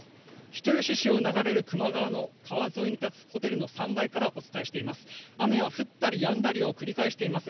人吉市を流れる球磨川の川沿いに立つホテルの３階からお伝えしています。